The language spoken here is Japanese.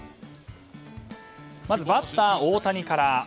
まずバッター大谷から。